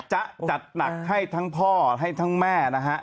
จะจัดหนักให้ทั้งพ่อให้ทั้งแม่นะฮะ